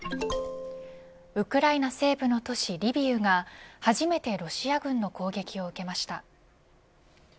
ウクライナ西部の都市リビウが初めてロシア軍の攻撃を受けました。